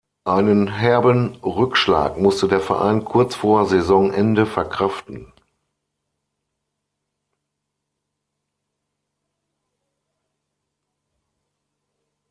Einen herben Rückschlag musste der Verein kurz vor Saisonende verkraften.